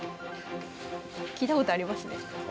聞いたことありますね。